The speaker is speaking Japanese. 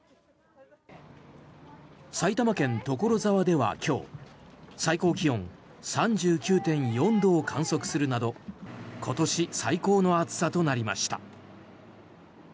埼玉県所沢では今日最高気温３９．４度を観測するなど今年最高の暑さとなりました。